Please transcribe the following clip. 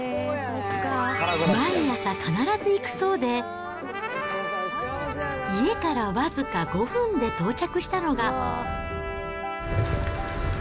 毎朝必ず行くそうで、家から僅か５分で到着したのが。